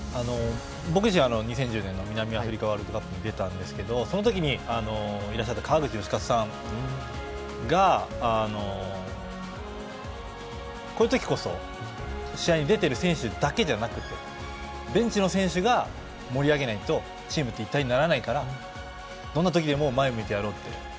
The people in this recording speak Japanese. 僕自身、２０１０年の南アフリカワールドカップに出たんですけどその時にいらっしゃった川口能活さんがこういう時こそ試合に出てる選手だけじゃなくてベンチの選手が盛り上げないとチームって一体にならないからどんな時でも前向いてやろうって。